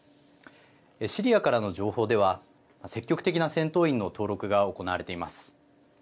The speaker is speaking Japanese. シリアからの情報では積極的な戦闘員の登録が行われています。